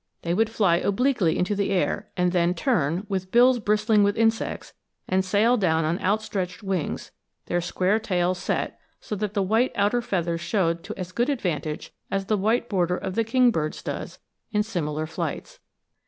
They would fly obliquely into the air and then turn, with bills bristling with insects, and sail down on outstretched wings, their square tails set so that the white outer feathers showed to as good advantage as the white border of the kingbird's does in similar flights.